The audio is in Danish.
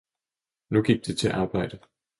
Nu gik det til arbejde.